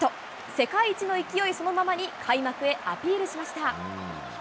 世界一の勢いそのままに、開幕へアピールしました。